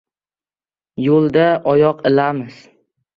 Yo‘lda oyoq ilamiz.